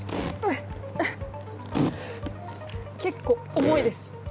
結構、重いです。